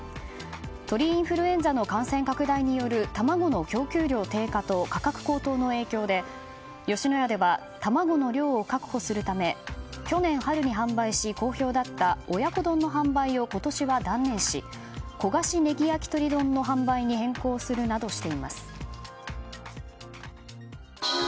鳥インフルエンザの感染拡大による卵の供給量低下と価格高騰の影響で吉野家では卵の量を確保するため去年春に販売し好評だった親子丼の販売を今年は断念し焦がしねぎ焼き鳥丼の販売に変更するなどしています。